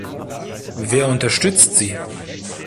Wer unterstützt sie?